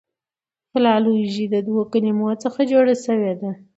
فلالوژي د دوو کلمو څخه جوړه سوې ده.